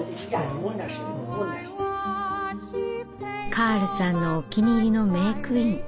カールさんのお気に入りのメークイン。